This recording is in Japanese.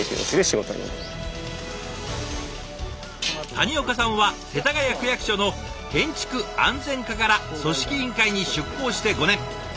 谷岡さんは世田谷区役所の建築安全課から組織委員会に出向して５年。